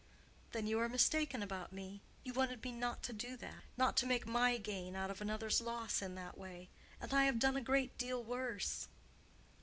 "Then you are mistaken about me. You wanted me not to do that—not to make my gain out of another's loss in that way—and I have done a great deal worse."